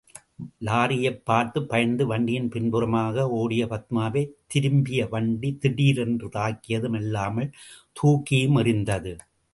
லாரியைப் பார்த்து பயந்து, வண்டியின் பின்புறமாக ஓடிய பத்மாவை, திரும்பிய வண்டி திடீரென்று தாக்கியதும் அல்லாமல், தூக்கியும் எறிந்தது.